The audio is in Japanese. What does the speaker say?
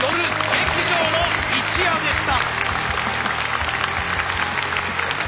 劇場の一夜でした。